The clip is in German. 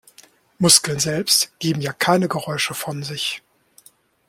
Muskeln selbst geben ja keine Geräusche von sich.